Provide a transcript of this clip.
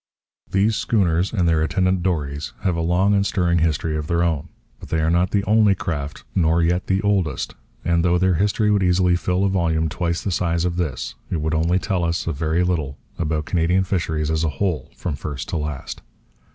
These schooners and their attendant dories have a long and stirring history of their own. But they are not the only craft, nor yet the oldest; and though their history would easily fill a volume twice the size of this, it would only tell us a very little about Canadian fisheries as a whole, from first to last.